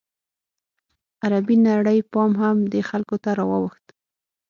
عربي نړۍ پام هم دې خلکو ته راواوښت.